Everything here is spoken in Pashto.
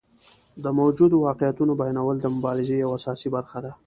د موجودو واقعیتونو بیانول د مبارزې یوه اساسي برخه ده.